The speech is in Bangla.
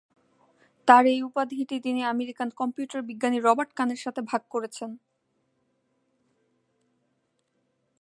তার এই উপাধিটি তিনি আমেরিকান কম্পিউটার বিজ্ঞানী রবার্ট কানের সাথে ভাগ করেছেন।